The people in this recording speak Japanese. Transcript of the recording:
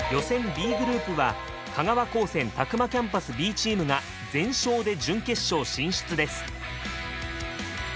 Ｂグループは香川高専詫間キャンパスＢチームが全勝で準決勝進出です。